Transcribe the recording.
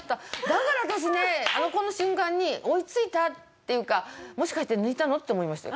だから私ねこの瞬間に追いついたっていうかもしかして抜いたの？って思いました。